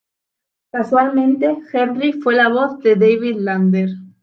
Casualmente, Henry fue la voz de David Lander.